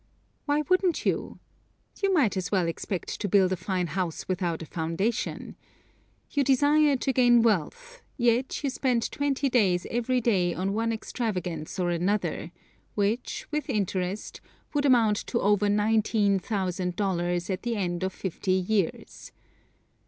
Why wouldn't you? You might as well expect to build a fine house without a foundation. You desire to gain wealth, yet you spend twenty cents every day on one extravagance or another, which, with interest, would amount to over $19,000 at the end of fifty years.